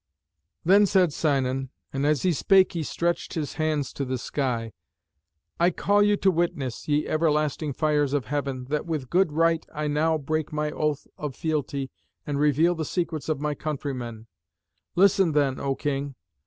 Then said Sinon, and as he spake he stretched his hands to the sky, "I call you to witness, ye everlasting fires of heaven, that with good right I now break my oath of fealty and reveal the secrets of my countrymen. Listen then, O king.